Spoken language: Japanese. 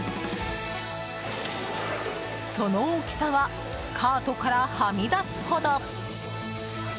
その大きさはカートからはみ出すほど。